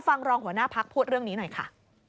รองหัวหน้าพักพูดเรื่องนี้หน่อยค่ะ